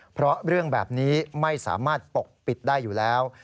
เพราะเรื่องแบบนี้ไม่สามารถปกปิดได้อยู่แล้ว